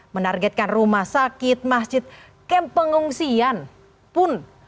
menargetkan rumah sakit masjid kemp pengungsian pun